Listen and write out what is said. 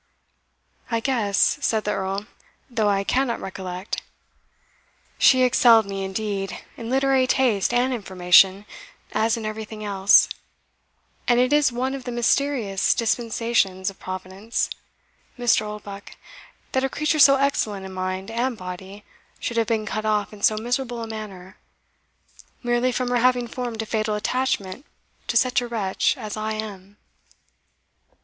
"I guess", said the Earl, "though I cannot recollect. She excelled me, indeed, in literary taste and information, as in everything else; and it is one of the mysterious dispensations of Providence, Mr. Oldbuck, that a creature so excellent in mind and body should have been cut off in so miserable a manner, merely from her having formed a fatal attachment to such a wretch as I am."